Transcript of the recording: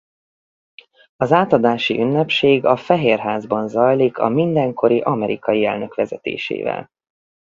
Az átadási ünnepség a Fehér Házban zajlik a mindenkori amerikai elnök vezetésével.